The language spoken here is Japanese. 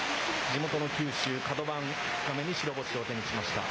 地元の九州、角番、２日目に白星を手にしました。